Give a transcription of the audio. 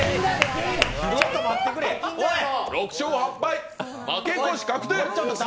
６勝８敗、負け越し確定。